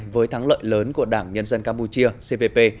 với thắng lợi lớn của đảng nhân dân campuchia cpp